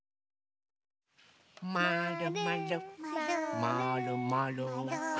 まるまるまるまる。